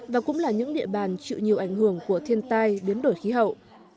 và cũng là những địa bàn chịu nhiều ảnh hưởng của thiên tai biến đổi khí hậu